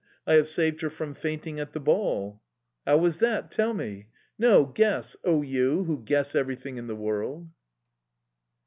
"I have saved her from fainting at the ball"... "How was that? Tell me." "No, guess! O, you who guess everything in the world!"